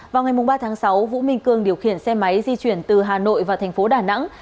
vào ngày ba tháng sáu vũ minh cương điều khiển xe máy di chuyển từ hà nội vào thành phố đà nẵng